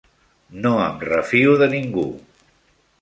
No em refio de ningú.